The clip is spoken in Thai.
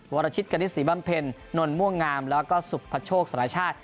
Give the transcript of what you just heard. วรชิตการิสติบ้ำเพลนนท์ม่วงงามแล้วก็สุบพระโชคศาลชาติ